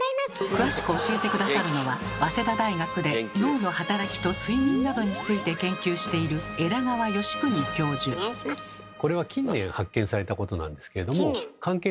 詳しく教えて下さるのは早稲田大学で脳の働きと睡眠などについて研究しているこれはそれはですね